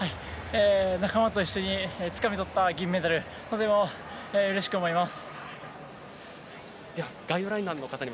仲間と一緒につかみとった銀メダルとてもうれしく思います。